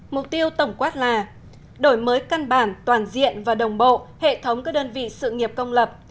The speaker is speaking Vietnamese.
mục tiêu tổng quát là đổi mới căn bản toàn diện và đồng bộ hệ thống các đơn vị sự nghiệp công lập